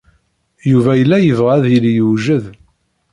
Yuba yella yebɣa ad yili yewjed.